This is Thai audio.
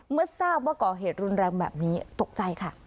เมื่อทราบว่าก่อเหตุรุนแรงแบบนี้ตกใจค่ะ